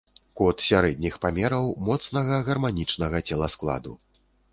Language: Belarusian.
Кот сярэдніх памераў, моцнага, гарманічнага целаскладу.